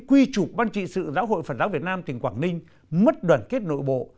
quy trục ban trị sự giáo hội phật giáo việt nam tỉnh quảng ninh mất đoàn kết nội bộ